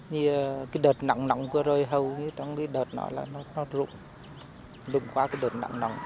như cái đợt nặng nặng của rơi hầu cái đợt nó rụng rụng qua cái đợt nặng nặng